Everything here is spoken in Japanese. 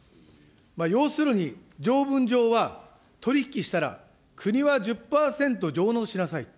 要するに、条文上は、取り引きしたら、国は１０％上納しなさい。